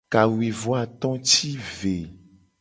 Kawuivoato ti ve.